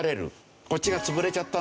こっちが潰れちゃったんだ。